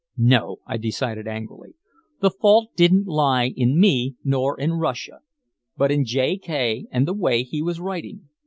"No!" I decided angrily. The fault didn't lie in me nor in Russia, but in J. K. and the way he was writing.